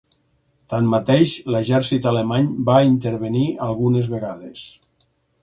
Tanmateix, l'exèrcit alemany va intervenir algunes vegades.